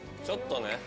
ちょっとね。